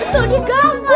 tuh dia ganggu